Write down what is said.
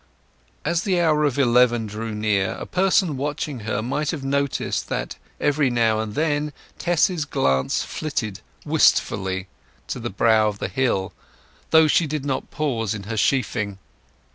As the hour of eleven drew near a person watching her might have noticed that every now and then Tess's glance flitted wistfully to the brow of the hill, though she did not pause in her sheafing.